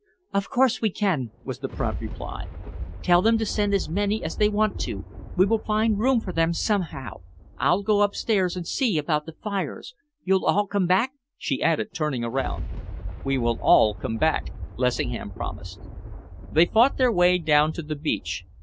"Of course we can," was the prompt reply. "Tell them to send as many as they want to. We will find room for them, somehow. I'll go upstairs and see about the fires. You'll all come back?" she added, turning around. "We will all come back," Lessingham promised. They fought their way down to the beach.